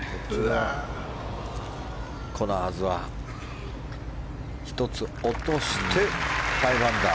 コナーズは１つ落として５アンダー。